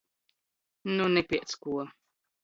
Nu ni piec kuo!